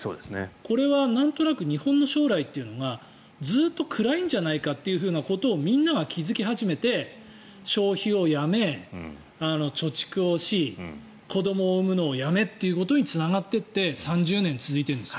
これはなんとなく日本の将来がずっと暗いんじゃないかとみんなが気付き始めて消費をやめ貯蓄をし、子どもを産むのをやめということにつながっていって３０年続いているんです。